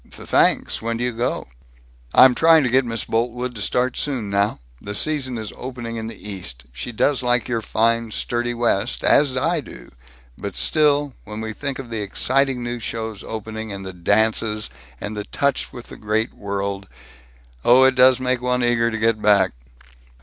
"Th thanks. When do you go?" "I'm trying to get Miss Boltwood to start soon now. The season is opening in the East. She does like your fine sturdy West, as I do, but still, when we think of the exciting new shows opening, and the dances, and the touch with the great world Oh, it does make one eager to get back."